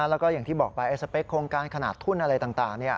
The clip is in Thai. แล้วก็อย่างที่บอกไปสเปคโครงการขนาดทุนอะไรต่าง